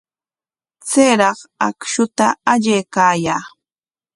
Chayraq akshuta allaykaayaa.